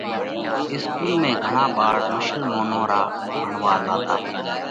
اِسڪُول ۾ گھڻا ٻاۯ مشلمونَون را ڀڻوا زاتا۔